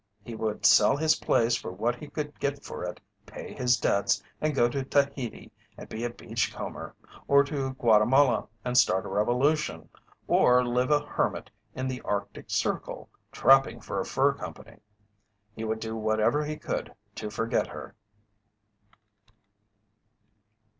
He would sell his place for what he could get for it, pay his debts, and go to Tahiti and be a beach comber, or to Guatemala and start a revolution, or live a hermit in the Arctic Circle, trapping for a fur company! He would do whatever he could to forget her.